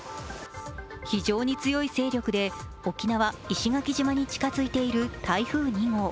非常に強い勢力で沖縄・石垣島に近づいている台風２号。